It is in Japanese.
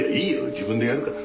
自分でやるから。